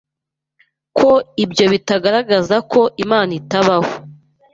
ko ibyo bitagaragaza ko Imana itabaho